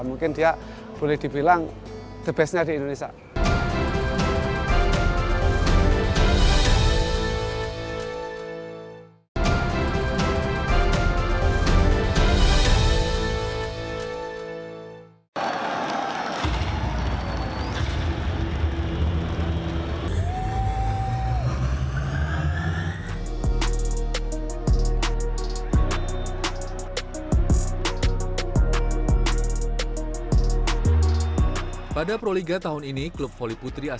mungkin dia boleh dibilang the best nya di indonesia